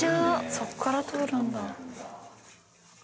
そっから通るんだ。